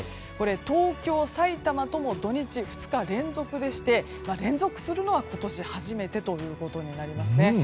東京、さいたまとも土日２日連続でして連続するのは今年初めてとなりますね。